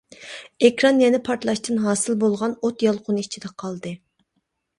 ئېكران يەنە پارتلاشتىن ھاسىل بولغان ئوت يالقۇنى ئىچىدە قالدى.